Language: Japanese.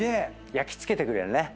焼き付けてくれるね。